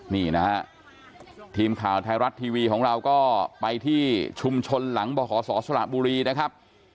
นี่นะฮะทีมข่าวไทยรัฐทีวีของเราก็ไปที่ชุมชนหลังบขศสระบุรีนะครับ